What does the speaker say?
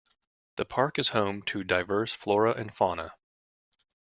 The park is home to diverse flora and fauna.